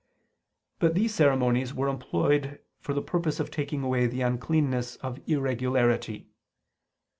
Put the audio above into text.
But these ceremonies were employed for the purpose of taking away the uncleanness of irregularity.